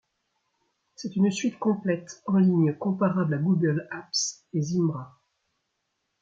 C'est une suite complète en ligne comparable à Google Apps et Zimbra.